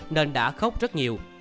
nên đã khóc trong nhà